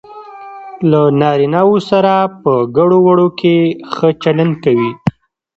له نارینه وو سره په ګړو وړو کې ښه چلند کوي.